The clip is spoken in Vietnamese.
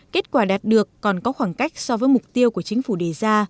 kết quả đạt được còn có khoảng cách so với mục tiêu của chính phủ đề ra